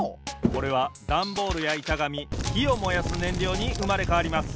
これはダンボールやいたがみひをもやすねんりょうにうまれかわります。